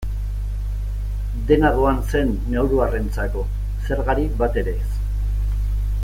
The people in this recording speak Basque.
Dena doan zen nauruarrentzako, zergarik batere ez.